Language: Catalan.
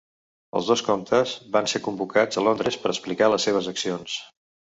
Els dos comtes van ser convocats a Londres per explicar les seves accions.